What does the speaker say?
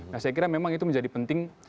nah saya kira memang itu menjadi penting